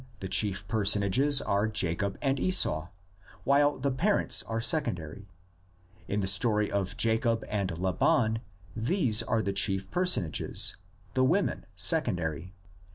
the chief personages are Jacob and Esau, while the parents are secondary; in the story of Jacob and Laban these are the chief personages, the women secondary.